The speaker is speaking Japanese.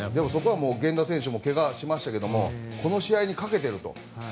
源田選手もけがをしましたがこの試合にかけていると。